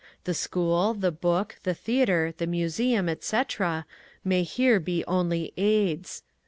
The school, the book, the theatre, the museum, etc., may here by only aids.